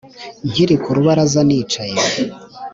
nkiri ku rubaraza nicaye;